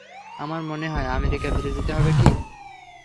আমার মনে হয় আমেরিকা ফিরে যেতে হবে, - কি?